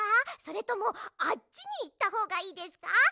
それともあっちにいったほうがいいですか？